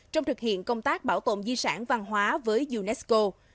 trong thực hiện công tác bảo tồn di sản văn hóa với unesco